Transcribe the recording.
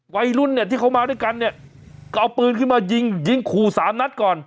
วัยรุ่นเนี่ยที่เขามาด้วยกันเนี่ยก็เอาปืนขึ้นมายิงยิงขู่สามนัดก่อน